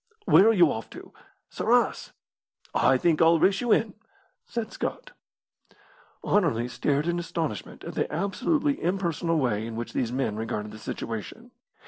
"Where are you off to?" "Sarras." "I think I'll race you in," said Scott. Anerley stared in astonishment at the absolutely impersonal way in which these men regarded the situation.